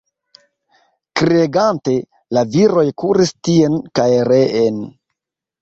Kriegante, la viroj kuris tien kaj reen.